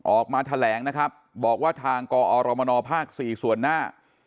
ออกมาแถลงนะครับบอกว่าทางกอรมนภ๔ส่วนหน้า